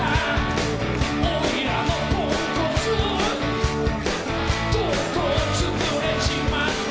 「俺らのポンコツ」「とうとうつぶれちまった」